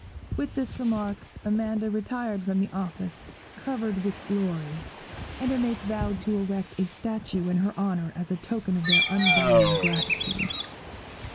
With this remark Amanda retired from office covered with glory, and her mates voted to erect a statue in her honour as a token of their undying gratitude.